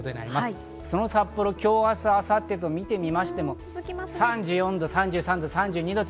その札幌、今日明日、明後日と見ましても、３４度、３３度、３２度。